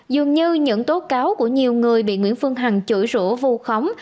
dường như những tố cáo của nhiều người bị nguyễn phương hằng chửi rũ vù khóng